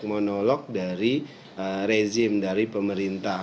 monolog dari rezim dari pemerintah